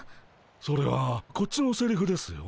それはこっちのせりふですよ。